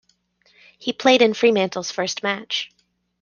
He played in Fremantle's first match.